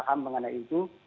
paham mengenai itu